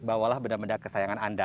bawalah benda benda kesayangan anda